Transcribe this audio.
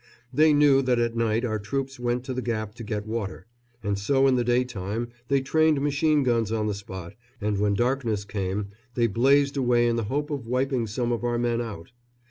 They knew that at night our troops went to the gap to get water, and so in the daytime they trained machine guns on the spot, and when darkness came they blazed away in the hope of wiping some of our men out.